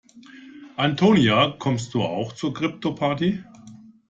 Antonia, kommst du auch zur Kryptoparty?